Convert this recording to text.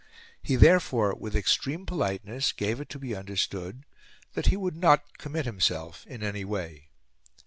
He, therefore, with extreme politeness, gave it to be understood that he would not commit himself in any way.